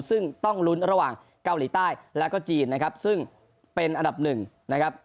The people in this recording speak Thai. ซึ่งต้องลุ้นระหว่างเกาหลีใต้แล้วก็จีนนะครับซึ่งเป็นอันดับหนึ่งนะครับ